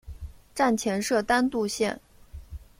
站前设单渡线。